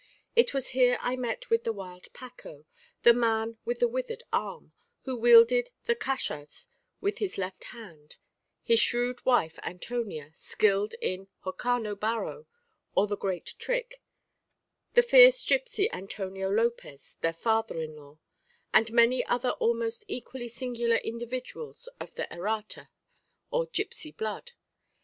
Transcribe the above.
It was here I met with the wild Paco, the man with the withered arm, who wielded the cachas with his left hand; his shrewd wife, Antonia, skilled in hokkano baro, or the great trick; the fierce gipsy, Antonio Lopez, their father in law; and many other almost equally singular individuals of the Errate, or gipsy blood.